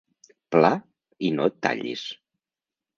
Pla, i no et tallis.